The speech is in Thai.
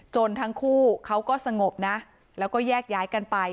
ทั้งคู่เขาก็สงบนะแล้วก็แยกย้ายกันไป